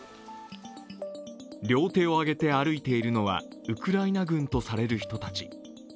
両手を上げて歩いているのはウクライナ軍とされる人たち。